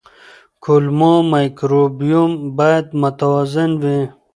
کولمو مایکروبیوم باید متوازن وي.